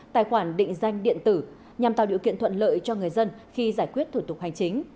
tài khoản định danh điện tử nhằm tạo điều kiện thuận lợi cho người dân khi giải quyết thủ tục hành chính